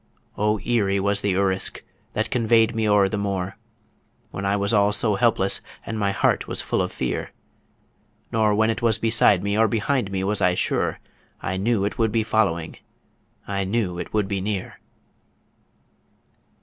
O eerie was the Urisk that convoy'd me o'er the moor! When I was all so helpless and my heart was full of fear, Nor when it was beside me or behind me was I sure I knew it would be following I knew it would be near!